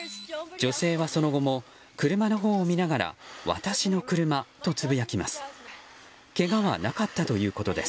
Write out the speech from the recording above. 女性はその後も車のほうを見ながら私の車とつぶやきます。